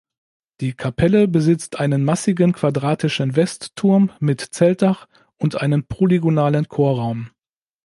Die Kapelle besitzt einen massigen quadratischen Westturm mit Zeltdach und einen polygonalen Chorraum.